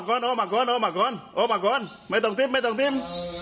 โอ้โหมากคลโอ้มากคลไม่ต้องกินไม่ต้องกิน